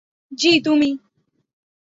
জি, তুমি?